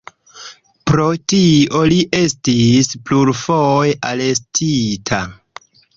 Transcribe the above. Pro tio li estis plurfoje arestita.